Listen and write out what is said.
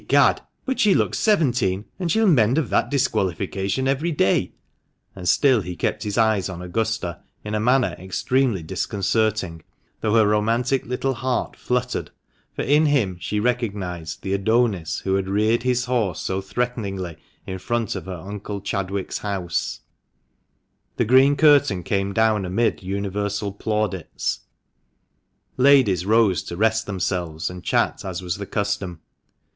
Egad ! but she looks seventeen, and she'll mend of that disqualification every day ;" and still he kept his eyes on Augusta in a manner extremely disconcerting, though her romantic little heart fluttered, for in him she recognised the " Adonis " who had reared his horse so threateningly in front of her Uncle Chadwick's house, The green curtain came down amid universal plaudits. Ladies rose to rest themselves and chat, as was the custom.